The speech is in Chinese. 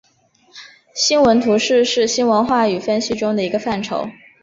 新闻图式是新闻话语分析中的一个范畴。